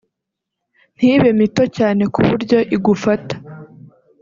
ntibe mito cyane ku buryo igufata